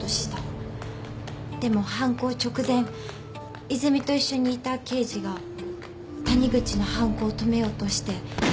でも犯行直前泉と一緒にいた刑事が谷口の犯行を止めようとして射殺した。